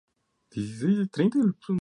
Su crecimiento es lento.